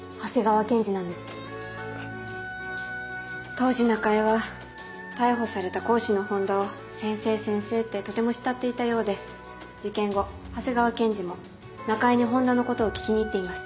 当時中江は逮捕された講師の本田を先生先生ってとても慕っていたようで事件後長谷川検事も中江に本田のことを聞きに行っています。